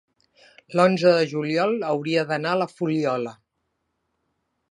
l'onze de juliol hauria d'anar a la Fuliola.